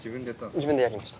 自分でやりました。